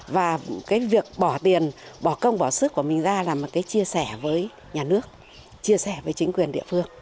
và cái việc bỏ tiền bỏ công bỏ sức của mình ra là một cái chia sẻ với nhà nước chia sẻ với chính quyền địa phương